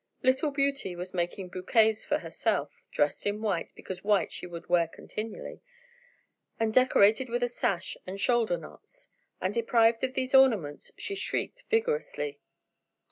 Little Beauty was making bouquets for herself; dressed in white, because white she would wear continually, and decorated with a sash and shoulder knots; and deprived of these ornaments she shrieked vigorously.